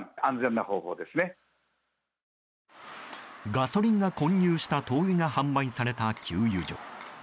ガソリンが混入した灯油が販売された給油所。